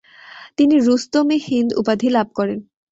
তিনি রুস্তম -ই-হিন্দ উপাধি লাভ করেন।